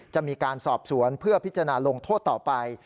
จะมีการสอบสวนเพื่อพิจารณาลงโทษต่อไป